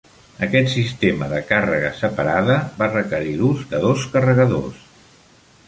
Aquest sistema de càrrega separada va requerir l'ús de dos carregadors.